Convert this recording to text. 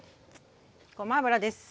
ごま油です。